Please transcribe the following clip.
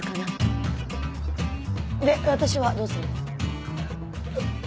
で私はどうすれば？